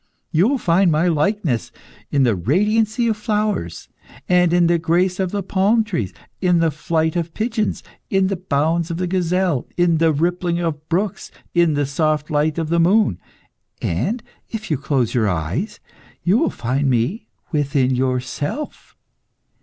You will find my likeness in the radiancy of flowers, and in the grace of the palm trees, in the flight of pigeons, in the bounds of the gazelle, in the rippling of brooks, in the soft light of the moon, and if you close your eyes, you will find me within yourself.